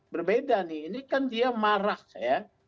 berbeda nih ini kan dia marah ya